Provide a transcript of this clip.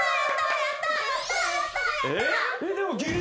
やったー！